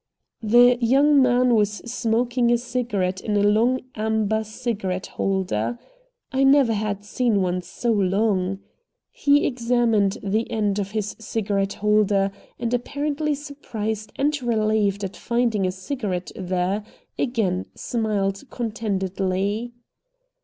The young man was smoking a cigarette in a long amber cigarette holder. I never had seen one so long. He examined the end of his cigarette holder, and, apparently surprised and relieved at finding a cigarette there, again smiled contentedly.